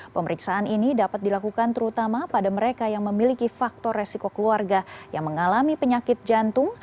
pemeriksaan ini dapat dilakukan terutama pada mereka yang memiliki faktor resiko keluarga yang mengalami penyakit jantung